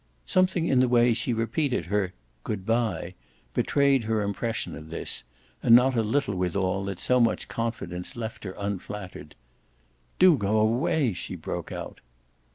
Something in the way she repeated her "Goodbye!" betrayed her impression of this, and not a little withal that so much confidence left her unflattered. "Do go away!" she broke out.